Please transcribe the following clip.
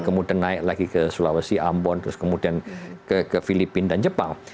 kemudian naik lagi ke sulawesi ambon terus kemudian ke filipina dan jepang